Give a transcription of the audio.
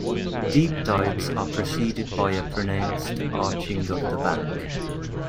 Deep dives are preceded by a pronounced arching of the back.